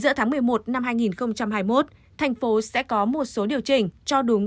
đến giữa tháng một mươi một năm hai nghìn hai mươi một tp hcm sẽ có một số điều chỉnh cho đúng